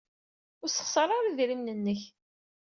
Ur ssexṣar ara idrimen-nnek.